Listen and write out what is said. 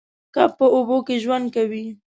کب په اوبو کې ژوند کوي